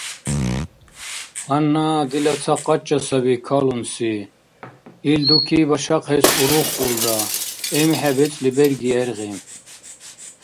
Гьанна дила ца къача саби калунси. Ил дуки башахъес урухкӀулра, эмхӀе бецӀли берги гӀергъи.